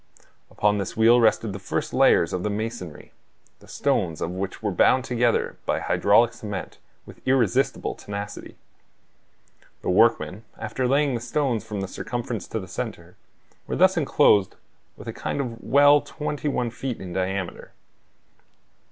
Upon this wheel rested the first layers of the masonry, the stones of which were bound together by hydraulic cement, with irresistible tenacity. The workmen, after laying the stones from the circumference to the center, were thus enclosed within a kind of well twenty one feet in diameter.